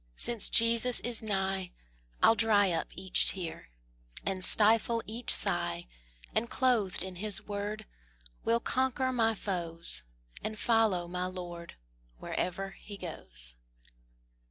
Since Jesus is nigh, I'll dry up each tear, And stifle each sigh: And clothed in His word Will conquer my foes, And follow my Lord Wherever He goes.